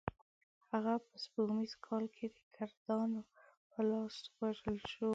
هغه په سپوږمیز کال کې د کردانو په لاس ووژل شو.